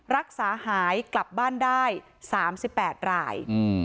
รักษาหายกลับบ้านได้๓๘ราย